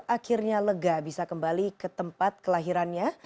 akhirnya lega bisa kembali ke tempat kelahirannya